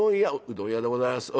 「うどん屋でございます」。